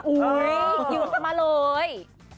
อุ้ยยืนมาเลย